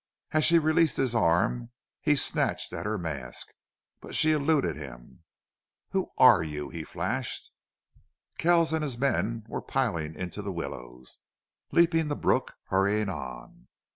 As she released his arm he snatched at her mask. But she eluded him. "Who ARE you?" he flashed. Kells and his men were piling into the willows, leaping the brook, hurrying on.